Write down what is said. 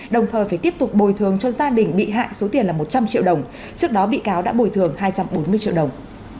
đồng thời phải tiếp tục bồi thường cho gia đình bị hại số tiền là một trăm linh triệu đồng trước đó bị cáo đã bồi thường hai trăm bốn mươi triệu đồng